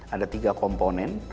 ada tiga komponen